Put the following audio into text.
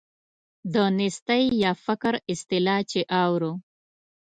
د نیستۍ یا فقر اصطلاح چې اورو.